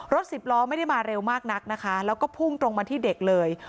สิบล้อไม่ได้มาเร็วมากนักนะคะแล้วก็พุ่งตรงมาที่เด็กเลย